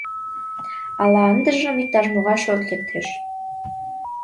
Ала ындыжым иктаж-могай шот лектеш».